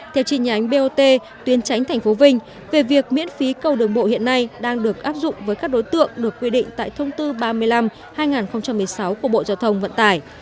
theo tri nhánh bot tuyến tránh tp vinh về việc miễn phí cầu đường bộ hiện nay đang được áp dụng với các đối tượng được quy định tại thông tư ba mươi năm hai nghìn một mươi sáu của bộ giao thông vận tải